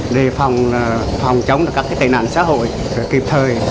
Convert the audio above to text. để phòng chống các tệ nạn xã hội kịp thời